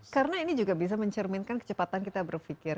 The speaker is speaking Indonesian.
karena ini juga bisa mencerminkan kecepatan kita berpikir